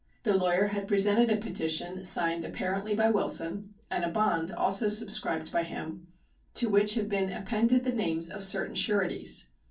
The lawyer had presented a petition signed apparently by Wilson and a bond also subscribed by him, to which had been appended the names of certain sureties.